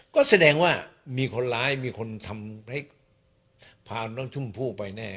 ก็แสดงว่ามีคนร้ายมีคนทำให้พาน้องชมพู่ไปแน่